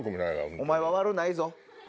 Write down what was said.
お前は悪ない。